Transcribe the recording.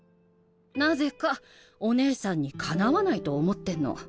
なぜかお姉さんにかなわないと思ってんの。